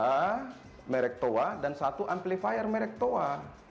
satu adalah merek toa dan satu amplifier merek toa